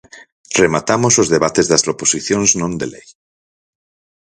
Rematamos os debates das proposicións non de lei.